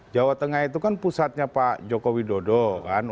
jawa tengah itu kan pusatnya pak joko widodo kan